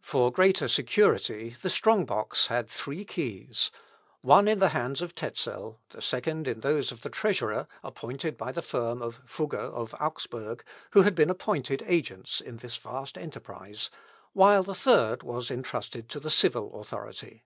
For greater security, the strong box had three keys one in the hands of Tezel, the second in those of the treasurer, appointed by the firm of Fugger of Augsburg, who had been appointed agents in this vast enterprise, while the third was entrusted to the civil authority.